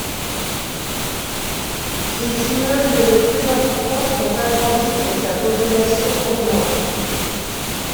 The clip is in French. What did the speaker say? Ses immeubles les plus importants sont agrandis et sa population augmente.